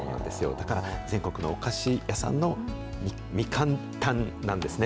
だから全国のお菓子屋さんのみかんたんなんですね。